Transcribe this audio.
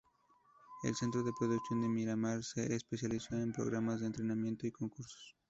El centro de producción de Miramar se especializó en programas de entretenimiento y concursos.